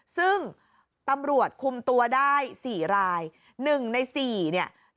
ซึ่งตำรวจคุมตัวได้๔ราย๑ใน๔เนี่ย